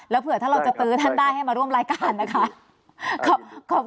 แล้วเผื่อถ้าเราจะเตก็ได้ให้มาร่วมรายการนะคะค่ะดี